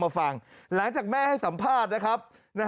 ฟังหลังจากแม่ให้สัมภาษณ์นะครับ